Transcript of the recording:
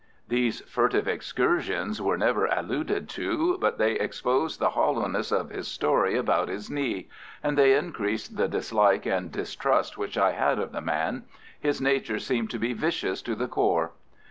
These furtive excursions were never alluded to, but they exposed the hollowness of his story about his knee, and they increased the dislike and distrust which I had of the man. His nature seemed to be vicious to the core.